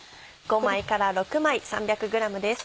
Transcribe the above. ５枚から６枚３００ｇです。